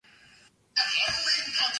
It published the biweekly "Heraldo".